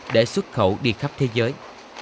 để xuất khẩu đi khắp thế giới